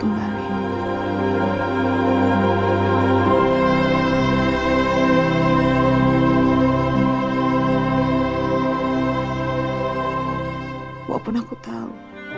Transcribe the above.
walaupun aku tahu